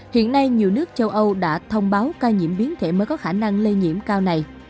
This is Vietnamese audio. hiện nay nhiều nước châu âu đã thông báo ca nhiễm biến thể mới có khả năng lây nhiễm cao này